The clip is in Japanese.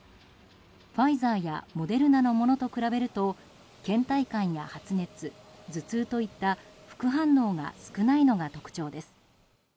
ファイザーやモデルナのものと比べると倦怠感や発熱、頭痛といった副反応が少ないのが特徴です。